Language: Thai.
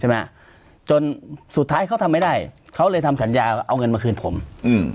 จนสุดท้ายเขาทำไม่ได้เขาเลยทำสัญญาเอาเงินมาคืนผมอืม